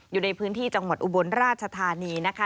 อยู่ในพื้นที่จังหวัดอุบลราชธานีนะคะ